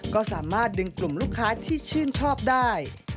ก็สามารถดึงกลุ่มลูกค้าที่ชื่นชอบได้